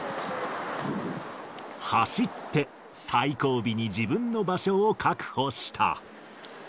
走って、最後尾に自分の場所を確保した。